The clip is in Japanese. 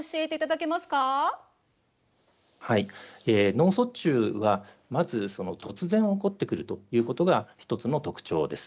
脳卒中はまず突然起こってくるということが一つの特徴です。